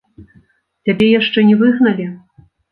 Цябе яшчэ не выгналі?